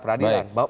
padahal itu kita yang